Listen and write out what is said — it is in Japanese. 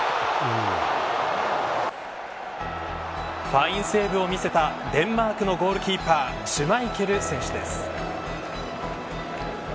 ファインセーブを見せたデンマークのゴールキーパーシュマイケル選手です。